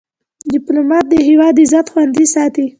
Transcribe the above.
ډيپلومات د هیواد عزت خوندي ساتي.